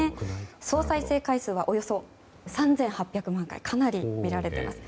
総再生回数はおよそ３８００万回とかなり見られています。